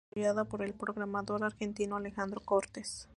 Fue desarrollado por el programador argentino Alejandro Cortes.